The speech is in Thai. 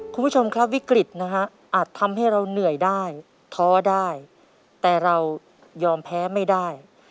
คุณผู้ชมครับวิกฤตนะฮะอาจทำให้เราเหนื่อยได้ท้อได้แต่เรายอมแพ้ไม่ได้